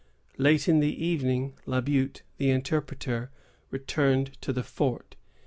Late in the evening, La Butte, the interpreter, returned to the fort.